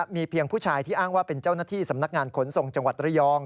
มีเพียงผู้ชายที่อ้างว่าเป็นเจ้าหน้าที่สำนักงานขนส่งจังหวัดระยอง